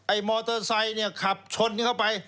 มอเตอร์ไซค์เนี่ยขับชนเข้าไป